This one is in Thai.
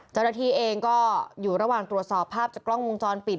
เจ้าหน้าที่เองก็อยู่ระหว่างตรวจสอบภาพจากกล้องวงจรปิด